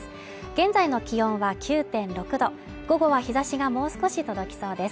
現在の気温は９．６度午後は日差しがもう少し届きそうです